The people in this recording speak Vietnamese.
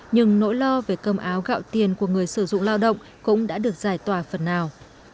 nhưng nỗi lo về cơm áo gạo tiền của người sử dụng lao động cũng đã được giải tỏa phần nào